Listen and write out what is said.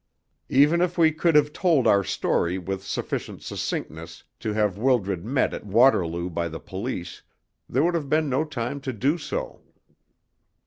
Even if we could have told our story with sufficient succinctness to have Wildred met at Waterloo by the police, there would have been no time to do so.